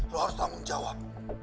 lo harus tanggung jawab